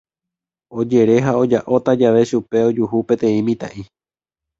Ojere ha oja'óta jave chupe ojuhu peteĩ mitã'i.